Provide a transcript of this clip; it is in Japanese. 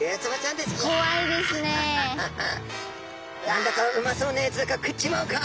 何だかうまそうなやつだから食っちまうか」。